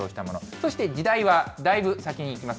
そして時代はだいぶ先に行きます。